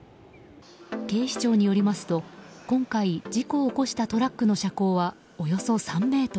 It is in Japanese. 警視庁によりますと今回、事故を起こしたトラックの車高はおよそ３ｍ。